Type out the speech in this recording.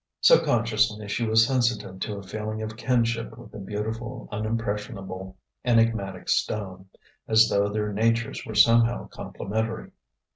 Subconsciously she was sensitive to a feeling of kinship with the beautiful, unimpressionable, enigmatic stone: as though their natures were somehow complementary.